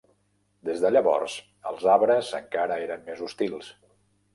Des de llavors, els arbres encara eren més hostils.